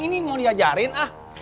ini mau diajarin ah